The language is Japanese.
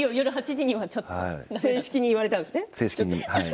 正式に言われたんですね。